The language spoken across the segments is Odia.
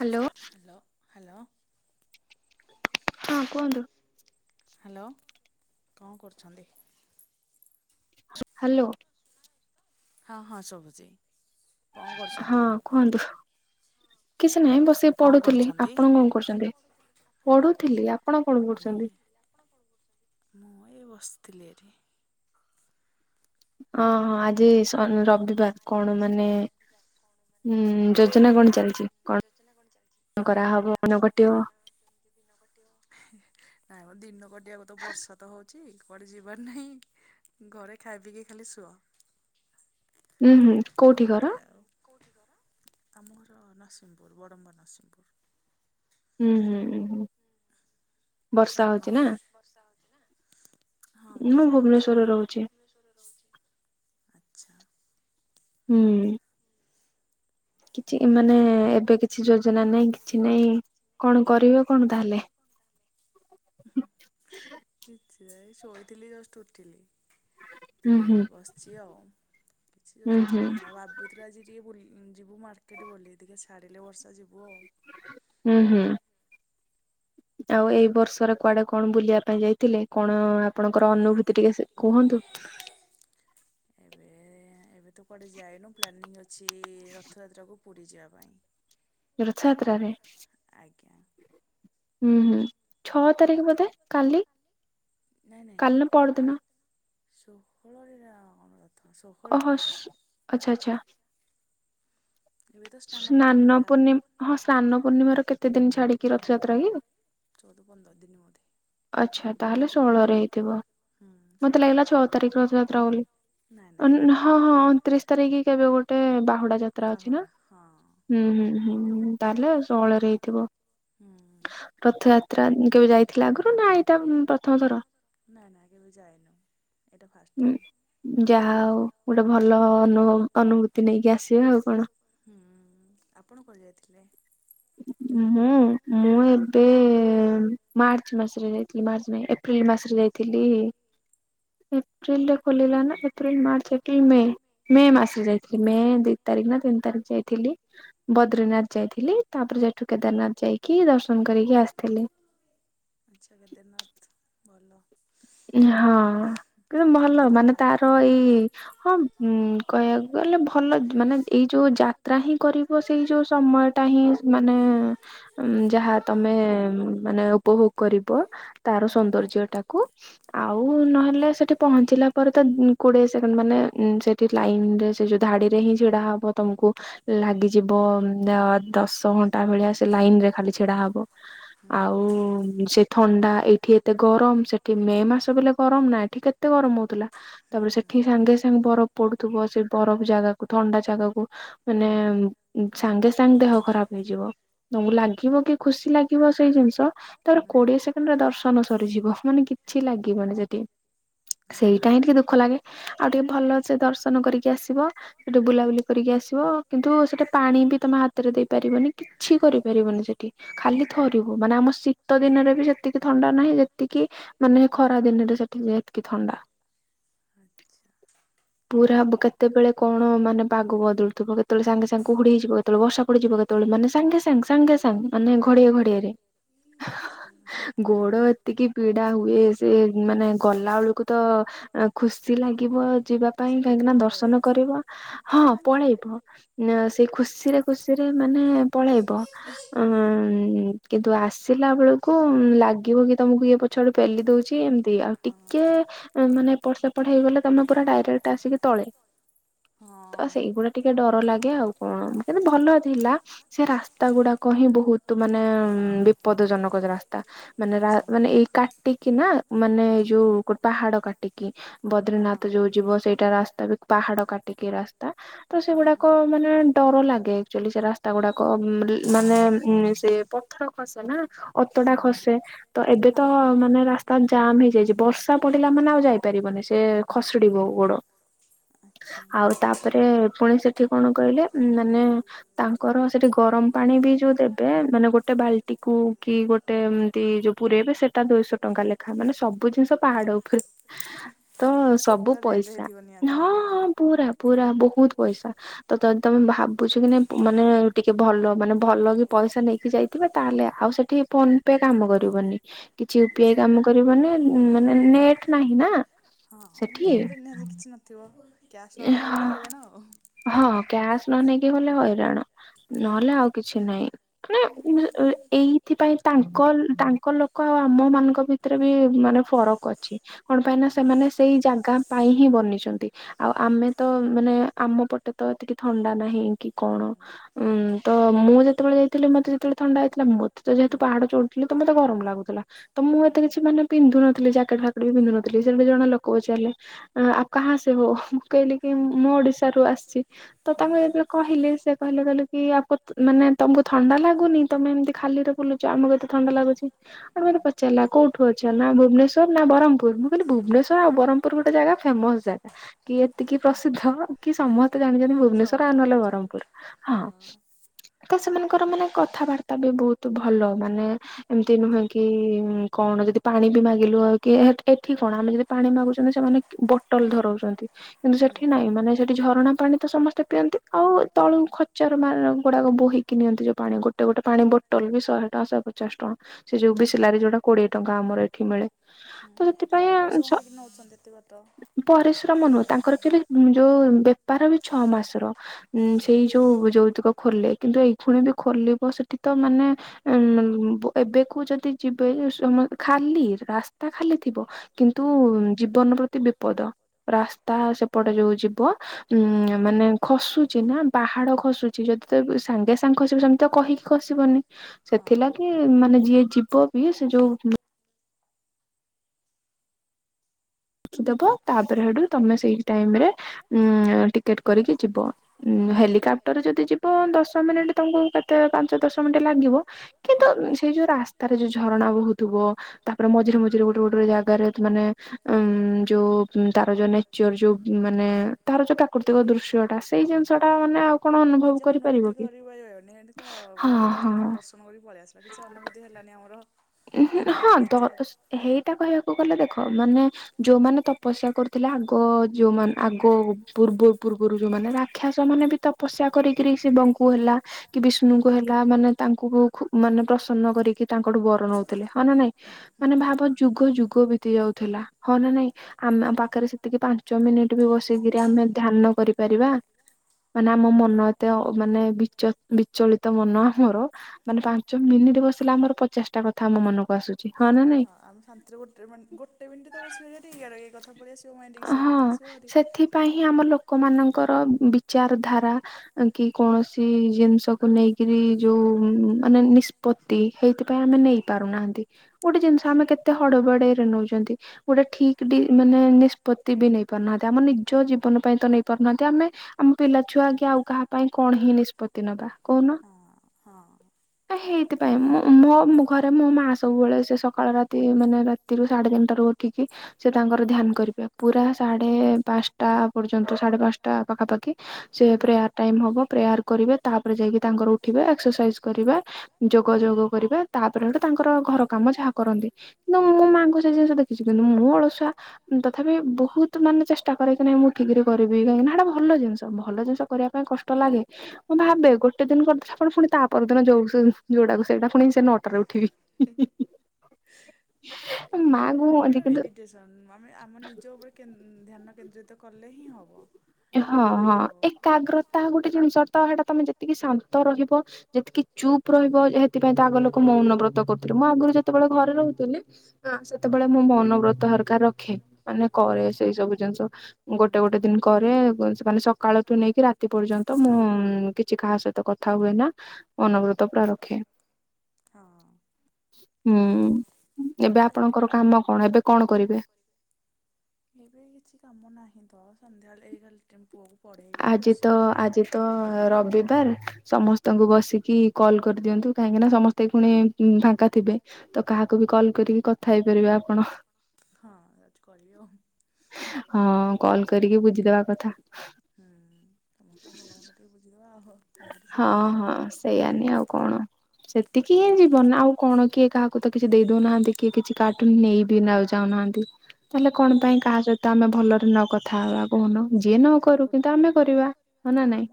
ହ୍ୟାଲୋ। Hello hello. ହଁ କୁହନ୍ତୁ। ହେଲୋ କଣ କରୁଛନ୍ତି? ହ୍ୟାଲୋ। ହଁ ହଁ ଶୁଭୁଛି କଣ କରୁଛନ୍ତି? କୁହନ୍ତୁ। କିଛି ନାହିଁ ବସ ପଢୁଥିଲି ଆପଣ କଣ କରୁଛନ୍ତି? ପଢୁଥିଲି ଆପଣ କଣ କରୁଛନ୍ତି? ମୁଁ ଏଇ ବସିଥିଲିରେ ଏଠି ଓ ହଁ ଆଜି ରବିବାର କଣ ମାନେ? ହୁଁ ଯୋଜନା କଣ ଚାଲିଛି? [unintelligible] ନାଇଁ ଦିନ କଟିିବାକୁ ତ ବର୍ଷା ତ ହଉ ଅଛି କୁଆଡେ ଯିବାର ନାହିଁ ଘରେ ଖାଇ ପିଇି ଖାଲି ଶୁଅ। କଣ କରିବା ଆଉ କୋଉଠି ଘର ଆମ ଘର ନରସିଂହପୁର ବଡମ୍ବର ନରସିଂହପୁର। ହୁଁ ହୁଁ ହୁଁ ହୁଁ। ଆପଣଙ୍କର ବର୍ଷା ହଉଛି ନା ହଁ ବର୍ଷା ଅଛି ମୁ ଭବନେଶରରେ ର ଆଛା। ହୁଁ। କିଛି ମାନେ ଏବେ କିଛି ଯୋଜନା ନାହିଁ କିଛି ନାାଇଁ କଣ କରିବେ କଣ ତାହେଲେ? କିଛି ଯାଇ ଶୋଇଥିଲି ଜଷ୍ଟ ଉଠଲି। ଟିକେ ହେଲା ବ ଆସିଛି ଆଉ କିଛି ଯୋଜନା ନାହିଁ ଆଉ ଏ ଭିତରୁ ଆଜି ଟିକେ ଯିବୁ ମାର୍କେଟ ବୋଲି ଟିକେ ଛାିଲେ ବର୍ଷା ଯିବୁ ଆଉ ହୁଁ ହୁଁ ଆଉ ଏଇ ବର୍ଷର କୁଆଡେ କଣ ବୁଲିବା ପାଇଁ ଯାଇଥିଲେ କଣ ଆପଣଙ୍କର ଅନୁଭୂତି ଟିକେ କୁହନ୍ତୁ। ଏବେ ଏବେ ତ କୁଆଡେ ଯାଏନୁ ପ୍ଲାନିଂ ଅଛି ରଥଯାତ୍ରାକୁ ପୁରୀ ଯିବା ପାଇଁ। [inaudible] ରଥ ଯାତ୍ରାରେ! ଆଜ୍ଞା। ହୁଁ ହୁଁ ଛଅ ତାରିଖ ବୋଧେ କାଲି କାଲି ନା ପରଦିନ? ଷହଳ ଦିନ ଅନୁରୋଧ ଓହୋ ଆଚଛା ଆଚଛା ସ୍ନାନ ପୂର୍ଣ୍ଣିମା ହଁ ସ୍ନାନ ପୂର୍ଣ୍ଣିମ ର କେତେ ଦିନ ଛାଡିକି ରଥଯାତ୍ରା କି? ଚଉଦ ପନ୍ଦର ଦିନ ବୋଧେ! ଆଚ୍ଛା ତାହେଲେ ଷୋହଳରେ ହେଇଥିବ ମତେ ଲାଗିଲା ଛଅ ତାରିଖ ରଥଯାତ୍ରା ବୋଲି। ହଁ ହଁ ଅଣତିରିଶ ତାରିଖ କେବେ ଗୋଟେ ବାହୁଡା ଯାତ୍ରା ଅଛି ନା ହୁଁ ହୁଁ। ହୁଁ ତାହେଲେ ଆଉ ଶହଳରେ ହେଇଥିବ। ରଥଯାତ୍ରା କେବେ ଯାଇଥିଲା ଆଗରୁ ନା ଏଇଟା ପ୍ରଥମ ଥର? ନାଁ ନା କେବେ ଯାଇନ ଏଟ ଫାର୍ ଟାଇମ। ଆଉ ଗୋଟେ ଭଲ ଅନ ଅନୁଭୂତି ନେଇକି ଆସିବେ ଆଉ କଣ। ହୁଁ ଆପଣ କଣ ଯାଇଥିଲେ? ମୁଁ ମୁଁ ଏ ମାର୍ଚ୍ଚ ମାସରେ ଯାଇଥିଲି ମାର୍ଚ୍ଚ ଏପ୍ରିଲ ମାସରେ ଯାଇଥିଲି ଏପ୍ରିଲରେ ଖୋଲିଲା ନା April March April May May ମାସରେ ଯାଇଥିଲି ମେ ଦି ତାରିଖ ନା ତିନି ତାରିଖ ଯାଇଥିଲି ବଦ୍ରିନାଥ ଯାଇଥିଲି ତାପରେ ସେଠୁ କେଦାରନାଥ ଯାଇକି ଦର୍ଶନ କରିକି ଆସିଥିଲି। ଆଚଛା କେଦାରନାଥ ଭଲ। ହଁ କିନ୍ତୁ ଭଲ ମାନେ ତାର ଏଇ ହଁ ଉଁ କହିବାକୁ ଗଲେ ଭଲ ମାନେ ଏଇ ଯୋଉ ଯାତ୍ରା ହିଁ କରିବ ସେଇ ଯୋଉ ସମୟ ଟା ହିଁ ମାନେ ଯାହା ତମେ ମାନେ ଉପଭୋଗ କରିବ ତାର ସୌନ୍ଦର୍ଯ୍ୟ ଟାକୁ ଆଉ ନହେଲେ ସେଠି ପହଞ୍ଚିଲା ପରେ ତ କୋଡିଏ ସେକେଣ୍ଡ ମାନେ ଠି ଲାଇନ ରେ ସେ ଯୋଉ ଧାଡି ରେ ହିଁ ଛିଡା ହବ। ତୋମକୁ ଲାଗିଯିବ ଅ, ଦଶ ଘଣ୍ଟା ଭଳିଆ ସେ ଲାଇନ ରେ ଖାଲି ଛିଡା ହବ। ଆଉ ସେ ଥଣ୍ଡା ଏଇଠି ଏତେ ଗରମ। ସେଠି ମେ ମା ହେଲେ ଗରମ ନା ଏଠି କେତେ ଗରମ ହଉଥୁଲା। ତାପରେ ସେଠି ସାଙ୍ଗେ ସାଙ୍ଗେ ବର ପଡୁଥୁବ। ସେ ବରଫ ଜାଗାକୁ ଥଣ୍ଡା ଜାଗାକୁ ମାନେ ଉଁ, ସାଙ୍ଗେ ସାଙ୍ଗେ ଦେହ ଖରାପ ହେଇଯିବ। ତୋମକୁ ଲାଗିବ କି ଖୁସି ଲାଗିବ ସେଇ ଜିନିଷ ତାର କୋଡିଏ ସେକେଣ୍ଡରେ ଦର୍ଶନ ସରିଯିବ। ମାନେ କିଛି ଲାଗିବନି ସେଠି। ସେଇଟା ହିଁ ଟିକେ ଦୁଃଖ ଲାଗେ। ଆଉ ଟିକେ ଭଲ ସେ ଦର୍ଶନ କରିକି ଆସିବ। ସେଠି ବୁଲାବୁଲି କରିକି ଆସିବ। କିନ୍ତୁ ସେଟି ପାଣି ବି ତୋମେ ହାତରେ ଦେଇପାରିବନି, କିଛି କରିପାରିବନି ସେଠି। ଖାଲି ଥରିବୁ ମାନେ ଆମ ଶୀ ତ ଦିନରେ ବି ସେତିକି ଥଣ୍ଡା ନାହିଁ ଯେତିକି ମାନେ ଖରା ଦିନରେ ସେଠି ଯେତକି ଥଣ୍ଡା। ଆଚ୍ଛା। ପୁରା ବ- କେତେବେଳେ କଣ ମାନେ ପାଗ ବଦଳୁଥୁବ। କେତେଳେ ସାଙ୍ଗେ ସାଙ୍ଗେ କୁହୁଡି ହେଇଯିବ। କେତେଳେ ବର୍ଷା ପଡିଯିବ, କେତେବେଳେ ମାନେ ସାଙ୍ଗେ ସାଙ୍ଗେ ସାଙ୍ଗେ ସାଙ୍ଗେ ମାନେ ଘଡିଏ ଘଡିଏରେ। ଗୋଡ ଏ ତିକି ପୀଡା ହୁଏ। ସେ ଉଁ, ମାନେ ଗଲା ବେଳକୁ ତ ଆ, ଖୁସି ଲାଗିବ ଯିବା ପାଇଁ କାହିଁକି ନା ଦର୍ଶନ କରିବ, ହଁ ପଳେଇବ। ନା ସେଇ ଖୁସିରେ ଖୁସିରେ ମାନେ ପଳେଇବ। ଅଁ, ଉଁ, କିନ୍ତୁ ଆସିଲା ବେଳକୁ ଲାଗିବ କି ତୋମକୁ କିଏ ପଛଆଡୁ ପେଲି ଦଉଛି। ନ୍ତି ଆଉ ଟିକେ ଏ ମାନେ ଏପଟ୍ ସେପଟ୍ ହେଇଗଲେ ତୋମେ ପୁରା ଡାଇରେକ୍ଟ ଆସିକି ତଳେ। ହଁ। ଟିକେ ଡର ଲାଗେ, ଆଉ କଣ କିନ୍ତୁ ଭଲ ଥିଲା। ସେ ରାସ୍ତା ଗୁଡାକ ହିଁ ବହୁତ ମାନେ ଉଁ, ବି ପଦ ଜନକ ରାସ୍ତା। ମାନେ ରା ମାନେ ଏଇ କାଟିକିି ନା ମାନେ ଯୋଉ କ- ପାହାଡ କାଟିକି। ବଦ୍ରିନାଥ ଯୋଉ ଯିବ ସେଇଟା ରାସ୍ତା ବି ପାହାଡ କାଟିକି ରାସ୍ତା। ତ ସେଗୁଡାକ ମାନେ ଡର ଲାଗେ। ଏକ ଚଲି ସେ ରାସ୍ତା ଗୁଡାକ ଅ, ଉଁ, ରି-ମାନେ ଉଁ, ସେ ପଥର ଖସେ ନା। ଅତଡା ଖସେ। ତ ଏବେ ତ ମାନେ ରାସ୍ ତା ଜାମ୍ ହେଇଯାଇଚି। ବର୍ଷା ପଡିଲା ମାନେ ଆଉ ଯାଇପାରିବନି। ସେ ଖସିଡିବ ଗୋଡ। ଆଉ ତାପରେ ପୁଣି ସେଠି କଣ କଇଲେ ଉଁ, ମାନେ ତାଙ୍କର ସେଠି ଗରମ ପାଣି ବି ଯୋଉ ଦେବେ ମାନେ ଗୋଟେ ବାଲ୍ଟି କୁ କି ଗୋ ଟେ ଏମିତି ଯୋଉ ପୁରେଇବେ ସେଟା ଦୁଇଶ ଟଙ୍କା ଲେଖା। ମାନେ ସବୁ ଜିନିଷ ପାହାଡ ଉପରେ। ତ ସବୁ ପଇସା। ହଁଁ ହଁ ପୁରା ପୁରା ବହୁତ ପଇସା। ତ ତ ତୋମେ ଭାବୁଛ କି ନା ମାନେ ଟିକେ ଭଲ ମାନେ ଭଲ କି ପଇସା ନେଇକି ଯାଇଥିବେ ତାହେଲେ ଆଉ ସେଠି ଫୋନ୍ ପେ କାମ କରିବନି କିଛି ୟୁପିଆଇ କରିବନି ଉଁ, ମାନେ ନେଟ୍ ନାହିଁ ନା। ହଁ, ହଁ ମନ୍ଦିର ଉପଡେ ନିହାତି କିଛି ନଥିବ। କ୍ୟାସ୍ ନ ନେଇକି ଗଲେ ହଇରାଣ। ହଁ, ହଁ କ୍ୟାସ୍ ନ ନେଇକି ଗଲେ ହଇରାଣ ନହେଲେ ଆଉ କିଛି ନାହିଁ। ମାନେ ଭେ-ଏ ଏଇଥିପାଇଁ ତାଙ୍କ ତାଙ୍କ ଲୋକ ଆଉ ଆମ ମାନଙ୍କ ଭି ଥିରେ ବି ମାନେ ଫରକ ଅଛି କଣ ପାଇଁ ନା ସେମାନେ ସେଇ ଜାଗା ପାଇଁ ହିଁ ବନିଛନ୍ତି। ଆଉ ଆମେ ତ ମାନେ ଆମ ପଟେ ତ ଏତିକି ଥଣ୍ଡା ନାହିଁ କି କଣ। ଉଁ, ତ ମୁଁ ଯେତେବେଳେ ଯାଇଥିଲି ମୋତେ ସେତେବେଳେ ଥଣ୍ଡା ହେଇଥିଲା। ମୋତେ ତ ଯେହେତୁ ପାହାଡ ଚଢୁଥିଲି ତ ମୋତେ ଗରମ ଲାଗୁଥୁଲା। ତ ମୁଁ ଏତେ କିଛି ମାନେ ପିନ୍ଧୁନଥିଲି ଜ୍ୟାକେଟୂ ଫାକେଟ ବି ପିନ୍ଧୁନଥିଲି। ସେଠି ଜଣେ ଲୋକ ପଚାରିଲେ ଆ, ଆପ୍ କାହା ସେ ହୋ? ମୁଁ କହିଲି କି ମୁଁ ଓଡିଶା ରୁ ଆସିଛି। ତ ତାଙ୍କୁ ଯେତେଳେ କହିଲି ସେ କହିଲେ କହିଲେ କି ଆପକ୍ ତ ମାନେ ତୋମକୁ ଥଣ୍ଡା ଲାଗୁନି ତୋମେ ଏମିତି ଖାଲିରେ ବୁଲୁ ଚ, ଆମକୁ ଏତେ ଥଣ୍ଡା ଲାଗୁଛି। ତେଣୁ ମୋତେ ପଚାରିଲା କୋଉଠୁ ଅଛ? ନା ଭୁବନେଶ୍ୱର ନା ବରହମପୁର? ମୁଁ କଇଲି ଭୁବନେଶ୍ବର ଆଉ ବରମ୍ ପୁର ଗୋଟେ ଜାଗା ଫେମସ୍ ଜାଗା। କି ଏତିକି ପ୍ରସିଦ୍ଧ କି ସମସ୍ତେ ଜାଣିଚନ୍ତି ଭୁବନେଶ୍ଵର ଆଉ ନହେଲେ ବରମପୁର ହଁ, ହଁ। ତ ସେମାନଙ୍କର ମାନେ କଥାବାର୍ତ୍ତା ବି ବହୁତ ଭଲ। ମାନେ ଏମିତି ନୁହେଁ କି କଣ ଯଦି ପାଣି ବି ମାଗିଲୁ ଆଉ କି ଏଠି କଣ ଆମେ ଯଦି ପାଣି ମାଗୁଛନ୍ତି ସେମାନେ ବଟଲ ଧରଉଛନ୍ତି। କିନ୍ତୁ ସେଠି ନାଇଁ ମାନେ ସେଠି ଝରଣା ପାଣି ତ ସମସ୍ତେ ପିଅନ୍ତି। ଆଉ ତଳୁ ଖଚରମା ଗୁଡାକ ବୋହି କି ନିଅନ୍ତି ଯୋଉ ପାଣି। ଗୋଟେ ଗୋଟେ ପାଣି ବୋଟଲ ବି ଶହେ ଟଙ୍କା, ଶହେ ପଚାଶ ଟଙ୍କା। ସେ ଯୋଉ ବିସିଲାରି ଯୋଉଟା କୋଡିଏ ଟଙ୍କା ଆମର ଏଠି ମିଳେ। ଜଣେ ପରିଶ୍ରମ କରିକି ନଉଛନ୍ତି ଏତେ ବାଟ। ପରିଶ୍ରମ ନୁଅ। ତାଙ୍କର ଏକ୍ଚୁଆଲି ଯୋଉ ବେପାର ବି ଛଅ ମାସର। ଉଁ ସେଇ ଯୋଉ ଯୌତୁକ ଖୋଲେ। କିନ୍ତୁ ଏଇଖୁଣି ବି ଖୋଲିବ ସେଠି ତ ମାନେ। ଉଁ ଏବେକୁ ଯଦି ଯିବେ ଯୋ ସ ଖାଲି ରାସ୍ତା ଖାଲି ଥିବ। କିନ୍ତୁ ଜୀବନ ପ୍ରତି ବିପଦ। ରାସ୍ତା ସେପଟେ ଯୋଉ ଯିବ ହୁଁ ମାନେ ଖସୁଚି ନା। ବାହାଡ ଖସୁଚି ଯଦି ତ ସାଙ୍ଗେ ସାଙ୍ଗେ ଖସିବ ସେମିତି ତ କହିକି ଖସିବନି। ସେଥିଲାଗି ମାନେ ଯିଏ ଯିବ ବି ସେ ଯୋଉ ଖିଦବ। ତାପରେ ହେଡ଼ୁ ତମେ ସେଇ ଟାଇମରେ ଉଁ ଟିକେଟ କରିକି ଯିବ। ଉଁ ହେଲିକାପ୍ଟରରେ ଯଦି ଯିବ ଦଶ ମିନିଟ୍ ତମକୁ କେତେ ପାଞ୍ଚ ଦଶ ମିଣ୍ଟି ଲାଗିବ କିନ୍ତୁ ସେଇ ଯୋଉ ରାସ୍ତାରେ ଯୋଉ ଝରଣା ବହୁଥିବ ତାପରେ ମଝିରେ ମଝିରେ ଗୋଟେ ଗୋଟେରେ ଜାଗାରେ ଅଛି ମାନେ ଉଁ ଯୋଉ ତାର ଯୋଉ ନେଚର ଯୋଉ ମାନେ ତାର ଯୋଉ ପ୍ରାକୃତିକ ଦୃଶ୍ୟଟା ତେଇ ଜିନିଷଟା ମାନେ ଆଉ ନିଜ ଅନୁଭୂତି କରି ପାରିବନି ହେନ୍ତି କଣ ଗଲହରି ଠାକୁରଙ୍କୁ ଦର୍ଶ ଣ ବି ପଳେଇ ଆସିଲା କିଛି ଅନୁଭୂତି ହେଲାନି ଆମର ଏମିତି କଣ ନିଜେ ହେଇଟା କହିବାକୁ ଗଲେ ଦେଖ ମାନେ ଯୋଉମାନେ ତପସ୍ୟା କରୁଥିଲେ ଆଗ ଯୋଉମାନେ ଆଗ ପୂର୍ବ ପୂର୍ବରୁ ଯୋଉମାନେ ରାକ୍ଷାସ ମାନେ ବି ତପସ୍ୟା କରିକିରି ଶିବଙ୍କୁ ହେଲା। କି ବିଷ୍ଣୁଙ୍କୁ ହେଲା ମାନେ ତାଙ୍କୁ ପ ଖୁ ମାନେ ପ୍ରସନ୍ନ କରିକି ତାଙ୍କଠୁ ବର୍ ନଉଥିଲେ ହଁ ନାଇଁ ମାନେ ଭାବ ଯୁଗ ଯୁଗ ବିତି ଯାଉଥିଲା ହଁ ନା ନାଇଁ? ଆମ ପାଖରେ ସେତିକି ପାଞ୍ଚ ମିନିଟ ବି ବସିକିରି ଆମେ ଧ୍ୟାନ କରିପାରିବା। ମାନେ ଆମ ମନ ଏତେ ଅ ମାନେ ବିଚ ବିଚଳିତ ମନ ମୋର। ମାନେ ପାଞ୍ଚ ମିନିଟ ବସିଲେ ଆମର ପଚାଶଟା କଥା ଆମ ମନକୁ ଆସୁଛି ହଁ ନା ନାଇଁ? ଅ ଅମ ଶାନ୍ତିରେ ଗୋଟେ ମାନ୍‌ ଗୋଟେ ମିଣ୍ଟି ତ ବସିପାରିବ ଠିକ୍ ଭାବରେ ଏ କଥା ପଳେଇ ଆସି ତୋ ଆଣ୍ଡି ସେଇ କଥା ଆସିବ ଭାରି। ପାହିଁ ଆମ ଲୋକମାନଙ୍କର ବିଚାର ଧାରା ଅଁ କି କୌଣସି ଜିନିଷକୁ ନେଇ କିରିଯୋଉ ଉଁ ଉଁ ମାନେ ନିଷ୍ ପୋତି ହେଇଥିପାଇଁ ଆମେ ନେଇ ପାରୁନାହାନ୍ତି। ଗୋଟେ ଜିନିଷ ଆମେ କେତେ ହଡବଡେଇରେ ନଉଚନ୍ତି। ଗୋଟେ ଠିକ ଡି ମାନେ ନିଷ୍ ପତି ବି ନେଇ ପାରୁନାହାନ୍ତି। ଆମ ନିଜ ଜୀବନ ପାଇଁ ତ ନେଇ ପାରୁନାହାନ୍ତି। ଆମେ ଆମ ପିଲାଛୁଆ ଆଗେ ଆଉ କାହା ପାଇଁ କଣ ହିଁ ନିଷ୍ପତି ନବା କହୁନ? ହଁ। ତ ହେଇଥିପାଇଁ ମୋ ମୋ ମୋ ଘରେ ମୋ ମା ସବୁବେଳେ ସେ ସକାଳ ରାତି ମାନେ ରା- ତିରୁ ସାଢେ ତିିନଟାରୁ ଉଠିକି ସେ ତାଙ୍କର ଧ୍ୟାନ କରିବେ। ପୁରା ସାଢ଼େ ପାଶଟା ପର୍ଯ୍ୟନ୍ତ ସାଢ଼େ ପାଶଟା ପାଖାପାଖି ସେ ପ୍ରେୟାର ଟାଇମ ହବ ପ୍ରେୟାର କରିବେ ତାହାପରେ ଯାଇକି ତାଙ୍କର ଉଠିବେ ଏକ୍ସରସାଇଜ କରିବା। ଯୋଗ ଯୋଗ କରିବା ତାହାପରେ ତ ତାଙ୍କର ଘର କାମ ଯାହା କରନ୍ତି। ନାଁ ମୁଁ ମାଙ୍କୁ ସେ ଜିନିଷ ଦେଖିଛି। କିନ୍ତୁ ମୁଁ ଅଳସୁଆ ଉଁ ତା ଥାପି ବହୁତ ମାନେ ଚେଷ୍ଟା କରେ କିି ନାହିଁ ମୁଁ ଠିକରେ କରିବି। କାହିଁକିନା ହେଟା ଭଲ ଜିନିଷ ଭଲ ଜିନିଷ କରିବା ପାଇଁ କଷ୍ ତ ଲାଗେ। ମୁଁ ଭାବେ ଗୋଟେ ଦିନ କରିଥିଲା ବେଳେ ଫୁଣି ତା ପର ଦିନ ଯୋଉ ସେ ଯୋଉଟାକୁ ସେଇଟା ଫୁଣି ସେ ନଅଟାରେ ଉଠିବି। ହୁଁ ହୁଁ ହୁଁ। ଉଁ ମା ଙ୍କୁ ବା ଅଧିକ ଦେ ତନ୍ ଆମେ ଆମ ନିଜ ଉପରେ କେନ୍ ଧାନ କେନ୍ଦ୍ରିତ କଲେ ହିଁ ହବ। ହଁ ହଁ ଏକାଗ୍ରତା ଗୋଟେ ଜିନିଷ ତ ହେଇଟା ତମେ ଯେତିକି ଶାନ୍ତ ରହିବ ଯେତିକି ଚୁପ୍ ରହିବ ହେଥିପାଇଁ ତ ଆଗ ଲୋକ ମଉନବ୍ରତ କରୁଥିଲେ ମୁଁ ଆଗରୁ ଯେତେବେଳେ ଘରେ ରହୁଥିଲି ହଁ ସେତେବେଳେ ମୁଁ ମଉନବ୍ରତ ହେରିକା ରଖେ ମାନେ କରେ ସେଇ ସବୁ ଜିନିଷ। ଗୋଟେ ଗୋଟେ ଦିନକୁ। ପରେ କ ସେ କହନ୍ତି ସକାଳଠୁ ନେଇକି ରାତି ପର୍ଯ୍ୟନ୍ତ ମୁଁ କିଛି କାହା ସହିତ କଥା ହୁଏନା। ଅନବରତ ପୁରା ରଖେ। ହଁ ନାଇଁ ଏଟା ରଖିଲେ ବି ଭଲ। କଣ କରିବୁ? ଏବେ କିଛି କାମ ନାହିଁ ତ ସନ୍ଧ୍ୟାବେଳେ ଏଇ ଗଲେ ଟେମ୍ ପୁଅକୁ ପଢ଼େଇବି ରୋଷେଇ କାମ ତ ରବିବାର ସମସ୍ତଙ୍କୁ ବସିକି କଲ୍ କରିଦିଅନ୍ତୁ କାହିଁକି ନା ସମସ୍ତ। କେତେ ଗୁଣି ଫାଙ୍କା ଥିବେ ତ କାହାକୁ ବି କଲ୍ କରିକି କଥା ହେଇପାରିବେ ଆପଣ। ହଁ ଯାଉଛି କହିବି ଆଉ। ହଁ କଲ କରିକି ବୁଝିଦବା କଥା। ହୁଁ ସମସ୍ତଙ୍କ ଭଲ ମନ୍ଦ ଟିକେ ବୁଝିଦବା ଆ ହଉ। ହଁ ହଁ ସେଇଆାନି ଆଉ କଣ। ସେତିକି ହିଁ ଯିବନ ଆଉ କଣ କିଏ କାହାକୁ ତ କିଛି ଦେଇ ଦଉନାହାନ୍ତି କିଏ କିଛି କାର୍ଟୁନ ନେଇବି ନା। ଚାହୁଁ ନାହାନ୍ତି ତାହଲେ କଣ ପାଇଁ କାହା ସହିତ ଆମେ ଭଲରେ ନ କଥା ହବା କହୁନ ଯିଏ ନ କରୁ କିନ୍ତୁ ଆମେ କରିବା ହ ନା ନାଇଁ।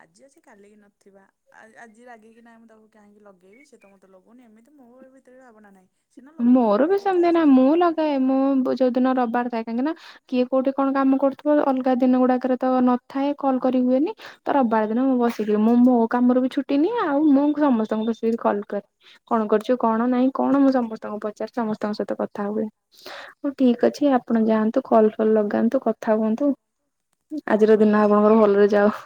ଆଜି ଅଛି କାଲିକି ନଥିବା ଆଜି ରାଗିକିାଇଁ ମୁଁ ତାକୁ କହିଁକି ଲଗେଇବି ସେ ତ ମତେ ଲଗଉନି ଏମିତି ମୋ। ତେ ଭାବନା ନହିଁ ସେ ନ ଲଗ ମୁଁ ଲଗେଇକି କଥା ଜ୍ଜେଇଯିବି। ମୁଁ ଯୋଉ ଦିନ ରବିବାର ଥାଏ କାହିଁକି ନା କିଏ କୋଉଠି କଣ କାମ କରୁଥିବ ଅଲଗା ଦିନ ଗୁଡାକରେ ତ ନଥାଏ କଲ୍ କରି ହୁଏନି। ତ ରବିବାର ଦିନ ମୁଁ ବସିଲି ମୁଁ ମୋ କାମରୁ ବି ଛୁଟି ନିଏ ଆଉ ମୁଁ ସମସ୍ତଙ୍କୁ ବସିକି କଲ୍ କରେ। କଣ କରୁଛୁ କଣ ନାହିଁ କଣ ମୁଁ ସମସ୍ତଙ୍କୁ ପଚାରେ ସମସ୍ତଙ୍କ ସହିତ କଥା ହୁଏ। ହଉ ଠିକ୍ ଅଛି ଆପଣ ଯାଆନ୍ତୁ କଲ ଫଲ ଲଗାନ୍ତୁ କଥା ହୁଅନ୍ତୁ। ଆଜିର ଦିନ ଆପଣଙ୍କର ଭଲରେ ଯାାଉ।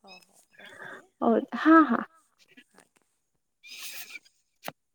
ହଁ ହଉ ରଖୁଚି। ଓଳିଗି ହଁ ହଁ।